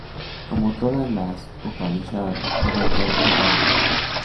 Como todas las "Upanishad", es de autor anónimo.